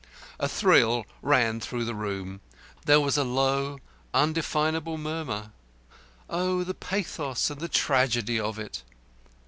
A thrill ran through the room there was a low, undefinable murmur. Oh, the pathos and the tragedy of it!